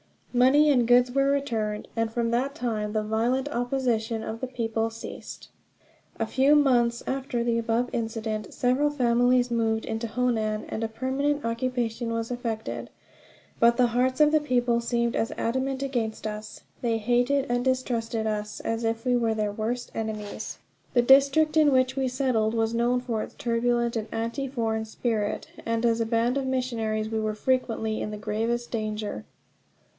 Money and goods were returned, and from that time the violent opposition of the people ceased. A few months after the above incident several families moved into Honan, and a permanent occupation was effected; but the hearts of the people seemed as adamant against us. They hated and distrusted us as if we were their worst enemies. The district in which we settled was known for its turbulent and anti foreign spirit, and as a band of missionaries we were frequently in the gravest danger.